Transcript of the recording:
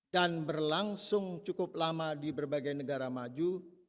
dan berlangsung cukup lama di berbagai negara maju